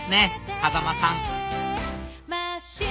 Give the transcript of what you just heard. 風間さん